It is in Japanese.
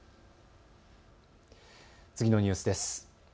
次のニュースです。